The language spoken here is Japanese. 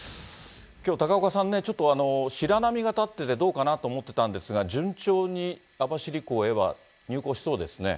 きょう、高岡さんね、ちょっと白波が立っててどうかなと思ってたんですが、順調に網走港へは入港しそうですね。